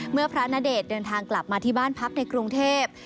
พระณเดชน์เดินทางกลับมาที่บ้านพักในกรุงเทพ